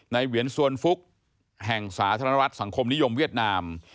เหวียนสวนฟุกแห่งสาธารณรัฐสังคมนิยมเวียดนาม